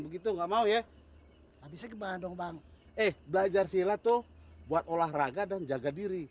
begitu nggak mau ya habisnya gimana dong bang eh belajar silat tuh buat olahraga dan jaga diri